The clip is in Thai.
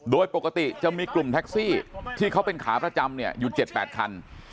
โดยปกติจะมีกลุ่มแท็กซี่ที่เขาเป็นขาประจำอยู่๗๘คัน